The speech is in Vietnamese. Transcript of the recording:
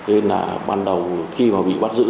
nên là ban đầu khi mà bị bắt giữ